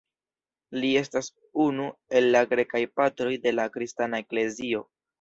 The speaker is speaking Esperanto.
Li estas unu el la Grekaj Patroj de la kristana eklezio.